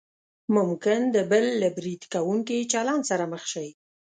ممکن د بل له برید کوونکي چلند سره مخ شئ.